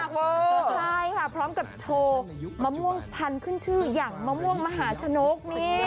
สุดท้ายค่ะพร้อมกับโชว์มะม่วงพันธุ์ขึ้นชื่ออย่างมะม่วงมหาชนก